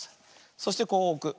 そしてこうおく。